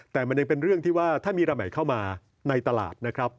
แต่มันยังเป็นเรื่องที่ว่าถ้ามีรายใหม่เข้ามาในตลาดนะครับ